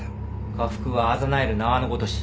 禍福はあざなえる縄のごとし。